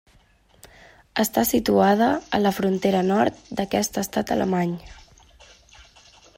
Està situada a la frontera nord d'aquest estat alemany.